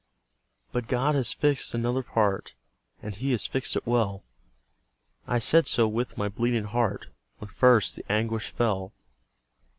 But God has fixed another part, And He has fixed it well; I said so with my bleeding heart, When first the anguish fell.